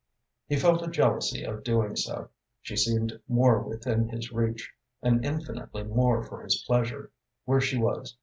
He felt a jealousy of doing so. She seemed more within his reach, and infinitely more for his pleasure, where she was.